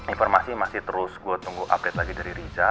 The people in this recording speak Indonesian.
informasi masih terus gue tunggu update lagi dari riza